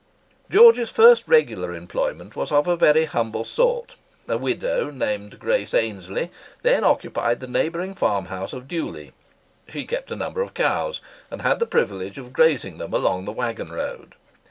George's first regular employment was of a very humble sort. A widow, named Grace Ainslie, then occupied the neighbouring farmhouse of Dewley. She kept a number of cows, and had the privilege of grazing them along the waggon road.